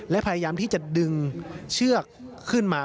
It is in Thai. และพยายามที่จะดึงเชือกขึ้นมา